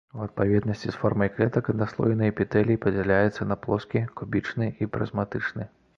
У адпаведнасці з формай клетак аднаслойны эпітэлій падзяляецца на плоскі, кубічны і прызматычны.